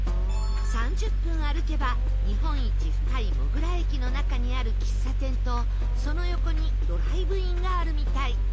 ３０分歩けば日本一深いモグラ駅の中にある喫茶店とその横にドライブインがあるみたい